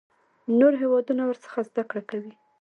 نور هیوادونه ورڅخه زده کړه کوي.